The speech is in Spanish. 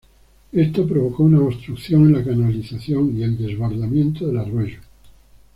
Esto provocó una obstrucción en la canalización y el desbordamiento del arroyo.